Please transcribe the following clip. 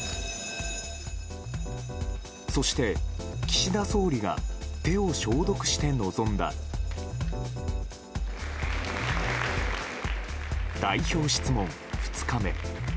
そして、岸田総理が手を消毒して臨んだ代表質問、２日目。